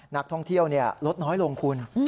นักท่องเที่ยวลดน้อยลงคุณ